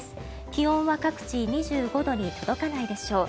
気温は各地２５度に届かないでしょう。